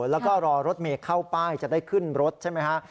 แล้วก็รอรถเมล์เข้าใส่ภาพเท่าจะได้ขึ้นรถใช่ไหมคะ